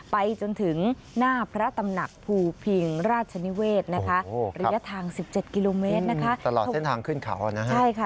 ไปจนถึงหน้าพระตำหนักภูพิงราชนิเวศนะคะ